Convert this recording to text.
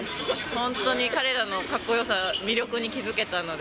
本当に彼らのかっこよさ、魅力に気付けたので。